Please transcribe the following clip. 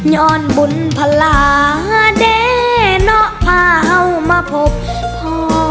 ย้อนบุญพลาเดเนาะพาเอามาพบพ่อ